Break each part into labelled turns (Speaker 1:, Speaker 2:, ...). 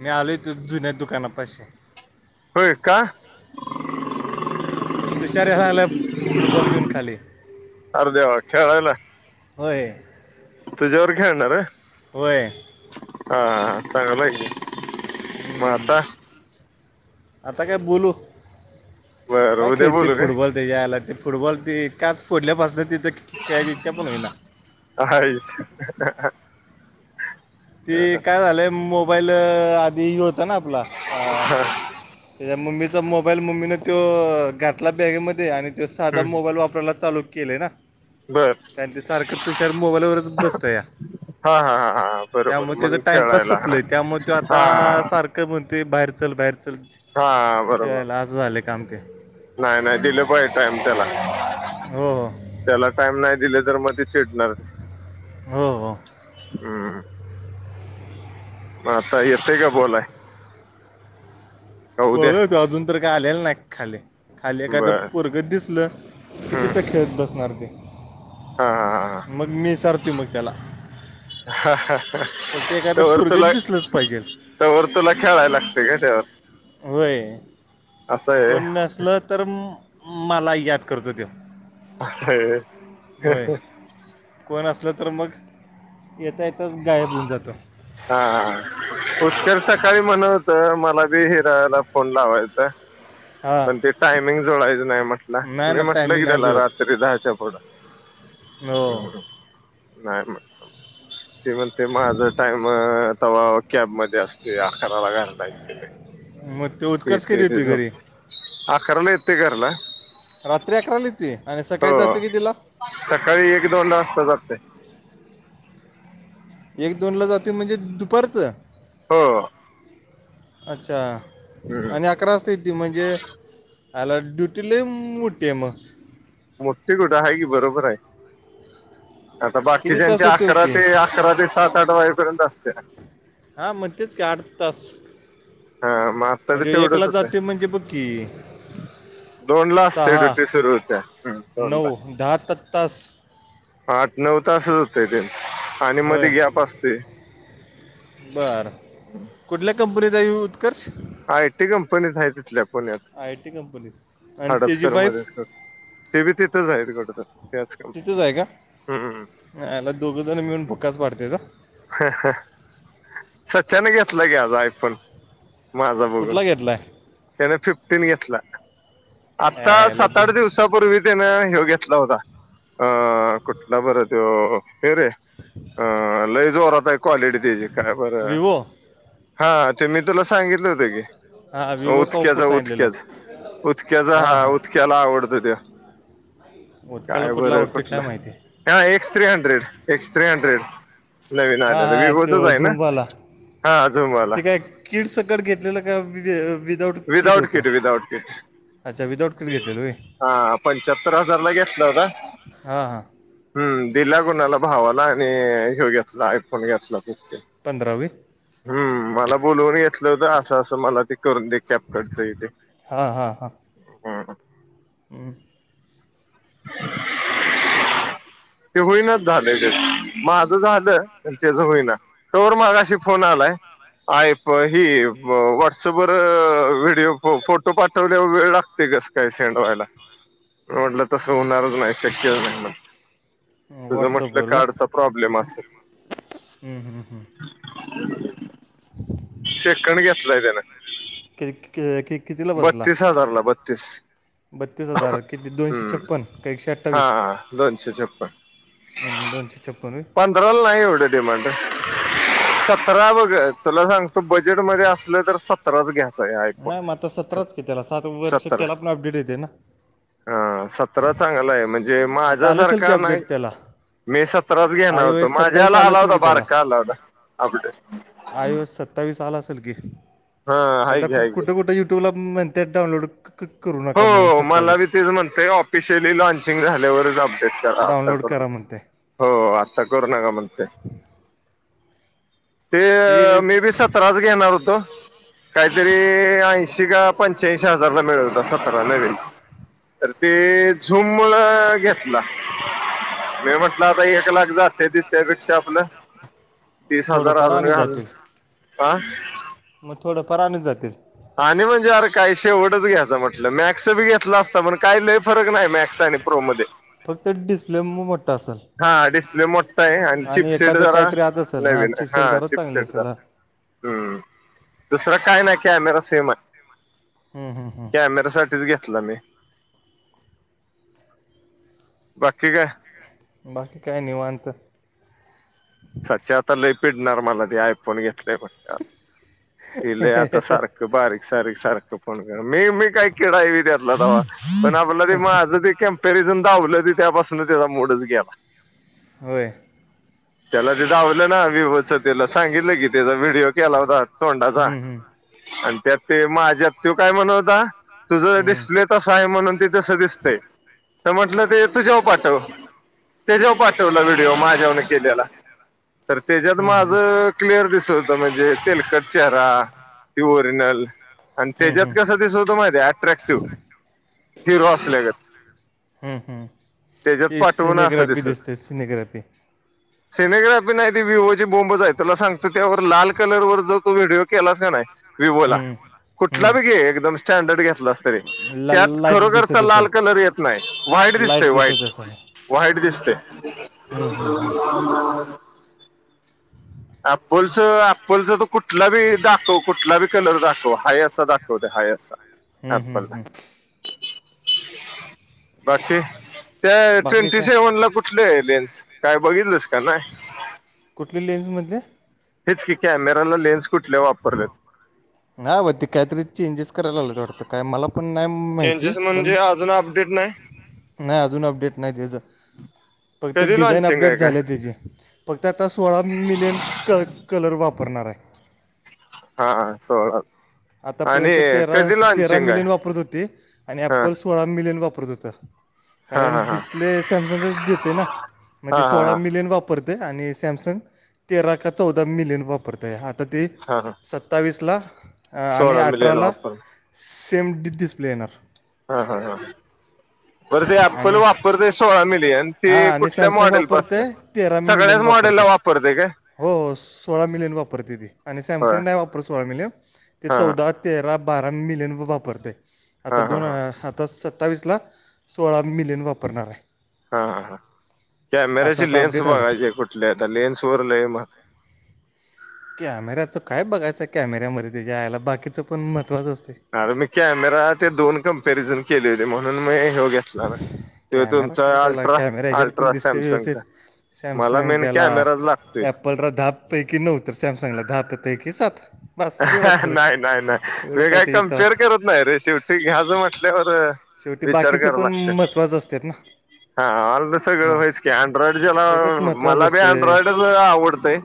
Speaker 1: मी आलोय इथं जुन्या दुकानापाशी
Speaker 2: होय का
Speaker 1: तुषार यालं फुटबॉल घेऊन खाली होय
Speaker 2: तुझ्यावर खेळणार आहे.
Speaker 1: होय
Speaker 2: हा चांगलं आहे मग आता?
Speaker 1: आता काय बोलू काय खेळते फुटबॉल ते जे आला ते फुटबॉल ते काच फोडल्यापासून तिथं खेळायची इच्छा पण होईना.
Speaker 2: हयच
Speaker 1: ते काय झालंय मोबाईल आधी होता ना आपला अ त्याच्या मम्मीचा मोबाईल मम्मीने तो घातला बॅगेमध्ये आणि तो साधा मोबाईल वापरायला चालू केले ना कारण ते सारखं तुषार मोबाईलवरच बसतं या
Speaker 2: हा हा हा हा
Speaker 1: त्यामुळे त्याचं टाइमपास संपलय त्यामुळे तो आता सारखं म्हणतेय बाहेर चल बाहेरचल
Speaker 2: हा बरोबर नाही नाही दिले पाहिजे टाइम त्याला त्याला टाइम नाही दिले तर मग ते चिडणार
Speaker 1: हो
Speaker 2: हम्म आता येते का बोलाय?
Speaker 1: बघ तो अजून तर काय आलेल नाही खाली खाली एखाद पोरगं असं दिसलं किती तर खेळत बसणार ते मग मी सारतो मग त्याला फक्त एखादा पोरांग दिसलच पाहिजे.
Speaker 2: तोवर तुला खेळायला लागते का त्यावर
Speaker 1: होय कोण नसलं तर मला याद करतो तो
Speaker 2: असं होय
Speaker 1: कोण असलं तर मग येता येताच गायब होऊन जातं.
Speaker 2: हा हा ह. पुष्कर सकाळी म्हणवतं मला बी हिरावला फोन लावायचां. पण ते टायमिंग जोळायचं नाही म्हटलं मी म्हटलं की त्याला रात्री दहाच्या पुढं.
Speaker 1: हो.
Speaker 2: नाही म्हण ते म्हणते माझ टाइमता कॅब मध्ये असते अकराला घायलाय यथे तेे ज. ह कराला यते गारला.
Speaker 1: रात्री अकरा लिहेतो आणि सकाळी जातोय की तिला
Speaker 2: सकाळी एक दोन ला वाजता जाते.
Speaker 1: एक दोन ला जातो म्हणजे दुपारचं
Speaker 2: हो.
Speaker 1: अच्छा आणि अकराच तती म्हणजे आला ड्युटला मो टे म
Speaker 2: मोठठी कुठ आहे की बरोबर आहे आता बाकीच्या्यांचे अकरा ते अकराात्री सात आठ वाजेपर्यंत असते.
Speaker 1: हां मग तेच काठ तस. म्हणजे एकला जात म्हणजे बक्की सहा नऊ दहा तत् तास.
Speaker 2: आठ नऊ तासच होतय ते आणि मध्ये गॅप असते.
Speaker 1: बर कुठल्या कंपनीचा यू उत्कर्ष
Speaker 2: आयटी कंपनीच आहे तिथल्या पुण्यात हडपसरमध्येध्येच ते बी तिथंच आहेत कडत.
Speaker 1: तिथंच आहे का नाही याला दोघंजण मिळून भुक्काच वाडते तर
Speaker 2: ह सचचन घेतलं गे आज आयफोन माझा बघून. त्याने फिफ्टीन घेतला आता सात आठ दिवसापूर्वी ना हे घेतला होता अ कुठला बर देव हे रे.
Speaker 1: [inaudible]
Speaker 2: जोरात आहे क्वालिटी त्याची काय बर हा ते मी तुला सांगितले होते की उदक्याचा उतक्याच उतक्याचा हा उदक्याला आवडत ते काय बर कुठलं X three hundred X three hundred
Speaker 1: हा हा तो झुमवाला
Speaker 2: हा अजून
Speaker 1: ते काय किट सकट घेतलेलं का विदाउट किट होतं. अच्ा विदाउ
Speaker 2: हा पंच्याहत्तर हजार ला घेतला होता.
Speaker 1: हा हां.
Speaker 2: हम्म दिला कोुणाला भावाला आणि ह घेतला आयरफोन घेतला खूप
Speaker 1: पंधरावी
Speaker 2: हम्म मला बोलवून घेतलं होत असं असं मला ते करून दे कॅपकटच इथे ह
Speaker 1: ह.
Speaker 2: [inaudible] ते होईनाच झालं माझं झालं त्याच होईना. तोवर मागाशी फोन आलाय. ऐ प ही व्हॉट्सअपवरर व्हिडिओ फोटो पाठवल्यावर वेळ लागते कास? काही शेंडवायला म्हटलं तसं होणारच नाही शक्यच नाही म्ह तुझं म्हटल कार्डचा प्रॉब्लेम असेल. शेकंड घेतलाय त्याने
Speaker 1: कि कितीला बसला.
Speaker 2: हजारला ब. त
Speaker 1: बत्तीस हजार किती दोनशे छप्न का एकशे
Speaker 2: हा
Speaker 1: अठ्ठावीस.
Speaker 2: दोनशेच्या.
Speaker 1: दोची चपन.
Speaker 2: द्र नाही एवढं डिमांड. सतरा बघ तुला सांगतो बजेट मध्ये असलं तर सतराच घ्यायचय आयफोन.
Speaker 1: ्रच त्याला सात वर्ष त्याला पण अपडेट येते ना.
Speaker 2: हा सतरा चांगलं आहे म्हणजे माझ सारख नाही. मी सतराच घेणार होतो माझ्याला हला होता बारा का हला होता आप.
Speaker 1: आईवज सत्तावीस साला असेल की. ते आता खूप कुठे कुठे युट्यूब लाणत डाउनलोड करून.
Speaker 2: हो मला बी तेच म्हणतेय ऑफिशियली लॉन्चिंग झाल्यावरच अपडेट. आता कर हो आत्ता करू नका म्हणते. ते मे बी सतराच घेणार होतो. काहीतरी ऐंशी का पंच्याऐंशी हजारला मिळल त अस. कलं नाही तर ते झुमळ घेतला म म्हटलं आता एक लाख जात. ते तस त्यापेक्षा आपलं तीस हजार अजून घाल ह
Speaker 1: मग थोडं परानच जातील.
Speaker 2: आणि म्हणजे अरे काही शेवटच घ्यायचं म्हटलं मॅक्स बी घेतला असता पण काही ल फरक नाही मॅक्स आणि प्रो मध्ये.
Speaker 1: फक्त डिस्प्ले म मोठा असेल.
Speaker 2: हा डिस्प्ले मोठा आहे आणि चिपसेट जरा नवीन आहे हा चिपसेट जरा. हम्म दुसरं काय नाही कॅमेरा सिमंट.
Speaker 1: हम हम हं.
Speaker 2: कॅमेरा साठीच घेतला मी. बाकी काय
Speaker 1: बाकी काही नििवा तर.
Speaker 2: सच आता ल पिडणार मला ते आयफोन घेतलेय म्हट ति लय आता सारख. बारीक सारीक सारखं फोन कर मीह मी काय किळावी द्या पण आपला त माझं ते कंपॅरिझन धावलं त त्या पाासून त्याचा मोडच गेला.
Speaker 1: होय
Speaker 2: त्याला ते धावलं ना विवोचं त्याला सांगितलं कि त्याचा व्हिडिओ केला होता तोंडाचा. आणि त्यात ते माझ्यात तो काय म्हणव होता तुझ डिस्प्ले तस आहे म्हणून ती तस दिसते तर म्हटलं ते तू जेव्हा पाठव. ते जेव पाठवला व्हिडिओ माझ्याेवन केलेला. तर त्याच्यात माझं क्लिअर दिसत होत म्हणजे तेलकट चेहरा. ती ओरिजनल आणि त्याच्यात कस दिस होतो माहिती आहे अट्रॅक्टिव्ह. तीर वा असलेग.
Speaker 1: तेी सिनेग्राफी दिसते सिनेग्राफी.
Speaker 2: सिनेग्राफी नाही ती वि्हवोची बोंबज आहे तुला सांगतो त्यावर लाल कलर वर जर तू व्हिडडीओ केलास का नाही. वि बोला. कुठला बी घे एकदम स्टँडर्ड घेतला असतरी त्यात खरोखरचा लाल कलर येत. नाही वाईट दिसते वाईट वाईट दिसते आपलचं आपलचं तर कुठ कुठला बी दाखव कुठला बी कलर दाखव हाय असा दाखवते हाय असा. आपल बाकीकी. त्या ट्वेंटी सेव्हन ला कुठले एलियन्स काय बघितलस का ना.
Speaker 1: कुठली लेन्स मध.
Speaker 2: हेच की, कॅमेराला लेन्स कुठल्या वापरलेत.
Speaker 1: नाय बा, ते काहीतरी चेंजेस करायला लागत वाटतं, काय मला पण नाही माहिती. पण नाही अजून अपडेट नाही त्याचं. फक्त डिझाईन अपडेट झालं त्याची. फक्त आता सोळा मिलियन क कलर वापरणार आहे. आतापर्यंत तेरा तेरा मिलयन वापरत होते. आणि एप्पलस सोळा मिलियन वापरत होत. कारण डिस्प्ले सॅमसंगच देते ना. मग ते सोळा मिलियन वाप वापरतेय आणि सॅमसंग तेरा का चौदा मिलियन वापरतेय. आता ते.
Speaker 2: ह ह.
Speaker 1: सत्तावीसला. आणि अठराला सेम डि डिस्प्ले येणार.
Speaker 2: ह ह ह. बर ते अप्पल वापरलय सोळा मिलियन, ते कुठल्या मॉडेल पासनं. सगळ्याच मॉडेल ला वापरते काय.
Speaker 1: हो हो सोळा मिलियन वापरते ती. आणि सॅम च नाही वापरत सोळा मिलियन. ते चौदा, तेरा, बारा मिलियन व वापरते. आता दोन, आता सत्तावीसला. सोळा मिलियन वापरणार आहे.
Speaker 2: हा ह. कॅमेऱ्याची लेन्स बघायची कुठल्यायता. लेन्स वर लई म
Speaker 1: कॅमेऱ्याचं काय बघायचं, कॅमेऱ्यामध्ये त्याच्यामायला. बाकीचं पण महत्त्च असते.
Speaker 2: अर मी कॅमेरा ते दोन कंपॅरिझन केलेले. म्हणून मी ह्यो घेतला ना.
Speaker 1: कॅमेरा काय त्याला, कॅमेरा याच्यावर पण दिसते व्यवस्थित. सॅमसंग गेला आप पल दहा पैकी नऊ तर, सॅमसंग ला दहापैकी एक सात.
Speaker 2: नाय नाय नाय मी काय कम्पेअर करत नाही रे. शेवटी घाजं म्हटल्यावर
Speaker 1: शेवटी बाकीचं पण, महत्वाचं असत्यात ना.
Speaker 2: हा मला सगळं व्हाच की, अँड्रॉइड ज्याला, मला बी अँड्रॉइडच आवडतय.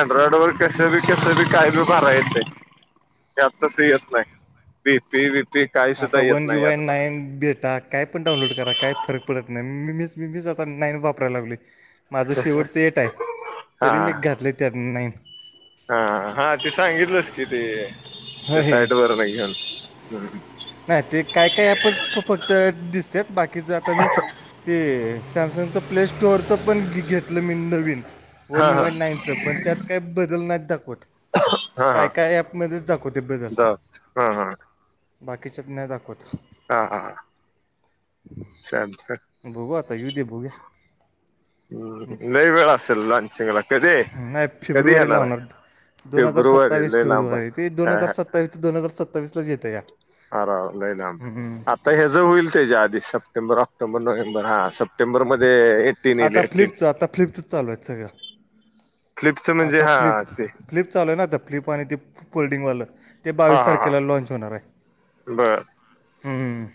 Speaker 2: अँड्रॉइड वर कस बी कस बी काय बी भराय येतय यात तस येत नाही. डीपी बीपी
Speaker 1: आता वन युवाय नाईन डेटात काय पण डाऊनलोड करा काय फरक पडत नाही. म मीच आता नाईन वापरायला लागलोय. माझं शेवटच एट आहे. तरी मी घातले त्या. नाईन.
Speaker 2: हा हा ते सांगितलंच कि, ती त्या साईट वर नाही घेऊन ह.
Speaker 1: नाही ते काय काय ऍपच फक्त दिसत. बाकीच आता मी ते सॅमसंगचं प्ले स्टोअरचं पण घेतलं मी नवीन. वन यू वन नाईनचं. पण त्यात काय बदल नाहीत दाखवत. काय काय ॲपमध्ये दाखवते बदल, बाकीच्यात नाही दाखवत.
Speaker 2: हा हा. समसग.
Speaker 1: भोगा आता युदे भोग्या.
Speaker 2: हम्म, लईवेळ असेल लांचीगला. कधी कधी येणार आहे.
Speaker 1: दोन हजार सत्तावीस फेब्रुवारी, ते दोन हजार सत्तावीस ते दोन हजार सत्तावीसला येत या. हम्म हम्म.
Speaker 2: यच होईल त्याच्या आधी, सप्टेंबर, ऑक्टोबर, नोव्हेंबर हा सप्टेंबर मध्ये
Speaker 1: आता फ्लिपच, आता फ्लिपच चालूये सगळं. आता फ्लिप फ्लिप चालूय ना आता. फ्लिप आणि ते फोल्डिंगवालं. ते बावीस तारखेला लांच होणारे. हम्म.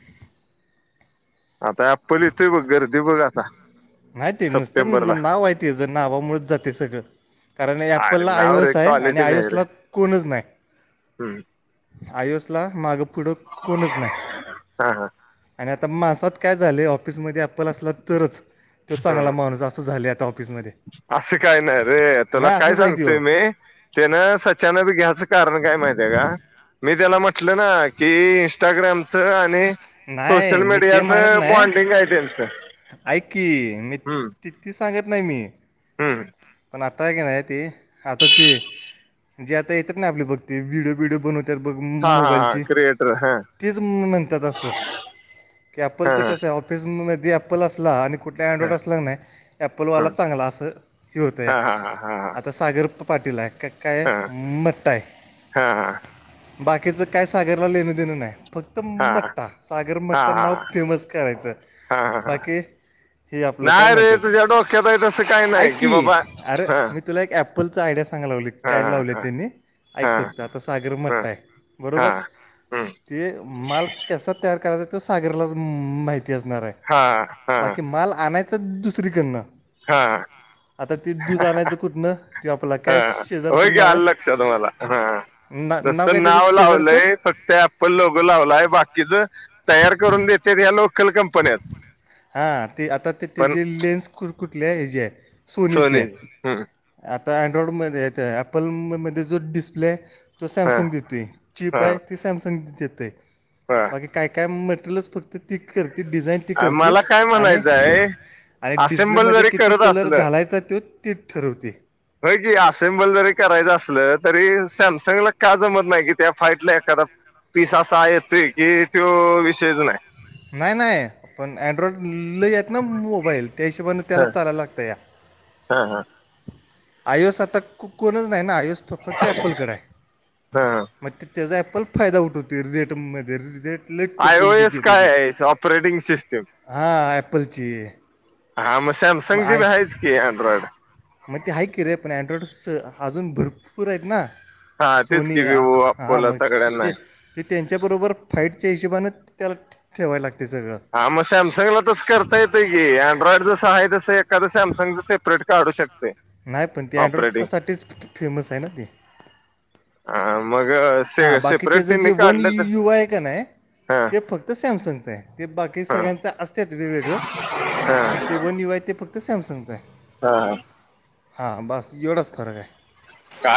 Speaker 2: आता एप्पल येतोय बघ. गर्दी बघ आता.
Speaker 1: कायते नुसतं नावहती जर नावामुळेळच जाते सगळं. कारण अप्पल आयोओसे. आणि आयोस ला कोणच नाही.
Speaker 2: हम्म.
Speaker 1: आयोसला मागं पुढं कोणच नाही.
Speaker 2: हां हां
Speaker 1: आणि आतां मासांत कायं झालं ऑफिसमंध्ये आप्पल असलां तरचं तो चांगला माणूंस असं झालीं आतां ऑफिसमंध्ये
Speaker 2: असं कायं नाहीं रे तुंला कायं सांगतेय मी ते ना स्नच्यांणबी घ्याचं कारणं कायं माहित आहे कां मी त्यांला म्हटलं नां की इंस्टांग्रामचे गांणे
Speaker 1: नाहीं मी ते मानतं नाहीं अऐ की मी तितकी सांगतं नाहीं मी
Speaker 2: हम्मं
Speaker 1: पणं आतां की नाहीं ते आतां ती जे आतां येतातं नां आपली भक्ती क्ती व्हिडिओ बिडिओ बनवते तरं बघं मोबाईलची तीचं म्हणतांत असतं ते अप्लंच कसं ऑप ऑफिसमंध्येध अप्पल असलां आणि कुंठला अँड्रॉइड असलां नाहीं ॲपलवालां चांगला असं आ सागंर पाटीलं कायं मं कायं बाकीचं कायं सागंरलां लेणं देणं नाहीं फक्तं मठ्ठां सागंर मठ्ठां नांव फ्रेम्स करायचं होतं बांकी हे आपलं कायं म्हणतांत
Speaker 2: शक्यंत आहे तसं कांहीं नाहीं
Speaker 1: अरे मी तुलां एक एलचां आयडियां सांगायलां लावली कायं लावले त्यांनी ऐक फक्तं आतां सागंरमट्टां आहे बरोबर ते मांल कसां तयांर करायचां तो सागंरीलाचं माहिती असणारं आहे बांकी मांल आणायचां दुसरीकडनं
Speaker 2: हां हां होयं कां आलं लक्षात तुम्हांला हां रसतं नांव लावलंय फक्तं त्यां एप्पल लवकरं लावलां आहे बाकीचं तयांर करूंन देते यां लोकं
Speaker 1: हां ते आतां ते त्यां जे लेन्स कु कुंठले हेजे सोनीचे आतां अँड्रॉइडमंध्येेतं ॲपलमंध्ये जो डिस्प्ले तो सॅमसंग देतो आहे चीप आहे ती सॅमसंग देते आहे कायं कायं मटेरियलसं फक्तं ती करतें डिझाईन ती करते आणि आणि डिस्प्लेमंध्ये किती कलर घालांयचां तो तेचं ठरवते
Speaker 2: हो की असेंबल जरी करायचं असलं तरी सॅमसंगला कां जमतं नाहीं की त्यां फाईटलां एखादां पिस असां आहे की तो विषयचं नाहीं
Speaker 1: नाहीं नाहीं पणं अँड्रॉइड ल आहेत नां मोबाईल त्यां हिशोबाने त्यांला चालायलां लागतं यां
Speaker 2: हां हां
Speaker 1: आहीयंस आतां कु कोणंच नाहीं नां आहीयंस फ फक्तं ॲपलकडे आहे मंग ते त्यांचा ॲपलचां फायंदा उठवते रेटमंध्ये रे रेट लेटं टोकूंन की घेतं ते हां ॲपलची आहे
Speaker 2: हां मंग सॅमसंग जी बी आहेयचं की अँड्रॉइड
Speaker 1: मंग ते हां केर आहे पणं अँड्रॉइडस अजूंन भरंपूर आहेतं नां सोनी हां मंग तिथे ते त्यांच्याबरोबर फाईटच्यां हिशेबानें त्यांला ठेवायलां लागते सगळं
Speaker 2: हां मंग सॅमसंगला तरचं करतां येतं अँड्रॉइड जसं सहांय त कां सॅमसंगच सेपरेट काढूं शकते
Speaker 1: नाहीं पणं ती अँड्रॉइडसांठीचं फ्रेम्स आहे नां ती
Speaker 2: हां मंग
Speaker 1: हां बाकीचे जे वनं युवां आहे कां नाहीं ते पणं तरं सॅमसंगचं आहे ते बाकी सगळ्यांचां असं तेचं वेगवेगळं पणं ते वंन यूं आहे ते फक्तं सॅमसंगचं आहे
Speaker 2: हां
Speaker 1: हां बस येवढाच फरक आहे
Speaker 2: काय